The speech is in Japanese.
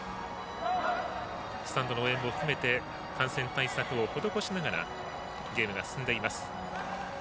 スタンドの応援を含めて感染対策を施しながらゲームが進んでいます。